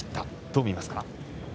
どう見ますか。